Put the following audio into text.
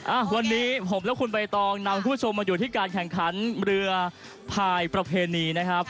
อ่ะวันนี้ผมและคุณใบตองนำคุณผู้ชมมาอยู่ที่การแข่งขันเรือภายประเพณีนะครับ